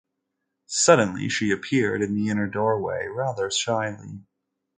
Suddenly she appeared in the inner doorway rather shyly.